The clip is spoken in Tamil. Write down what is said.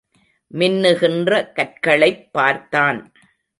மின்னுகின்ற கற்களைப் பார்த்தான்.